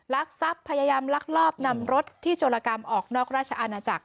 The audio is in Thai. ลักทรัพย์พยายามลักลอบนำรถที่โจรกรรมออกนอกราชอาณาจักร